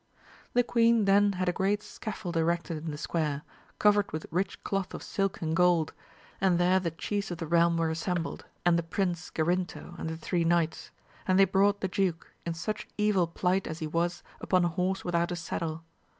The queen then had a great scaffold erected in the square, covered with rich cloth of silk and gold ; and there the chiefs of the realm were assembled, and the Prince Garinto and the three knights, and they brought the duke, in such evil plight as he was upon a horse without a saddle.